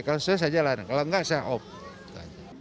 kalau sesuai saya jalan kalau enggak saya op